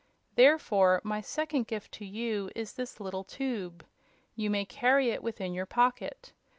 Therefore, my second gift to you is this little tube. You may carry it within your pocket.